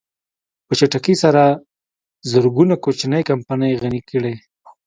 په چټکۍ سره زرګونه کوچنۍ کمپنۍ يې غني کړې.